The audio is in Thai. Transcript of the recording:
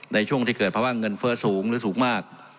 ในช่วงที่เกิดภาวะเงินเฟ้อสูงหรือสูงมาก